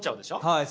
はい。